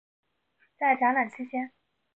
在展览期间。